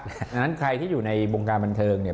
เพราะฉะนั้นใครที่อยู่ในวงการบันเทิงเนี่ย